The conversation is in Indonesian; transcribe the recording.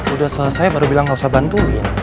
udah selesai baru bilang nggak usah bantuin